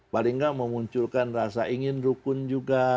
paling nggak memunculkan rasa ingin rukun juga